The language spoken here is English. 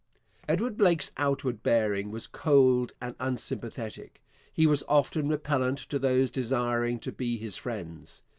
Edward Blake's outward bearing was cold and unsympathetic. He was often repellent to those desiring to be his friends.